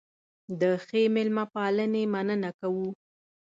د ښې مېلمه پالنې مننه کوو.